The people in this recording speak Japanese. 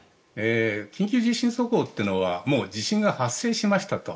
緊急地震速報というのはもう地震が発生しましたと。